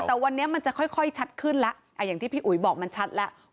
แต่วันนี้มันจะค่อยชัดขึ้นแล้วอย่างที่พี่อุ๋ยบอกมันชัดแล้ว